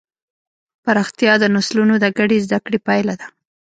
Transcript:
پراختیا د نسلونو د ګډې زدهکړې پایله ده.